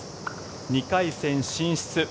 ２回戦、進出。